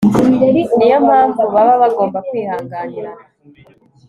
niyo mpanvu baba bagomba kwihanganirana